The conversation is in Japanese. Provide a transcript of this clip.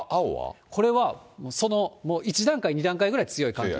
これはそのもう１段階、２段階ぐらい強い寒気。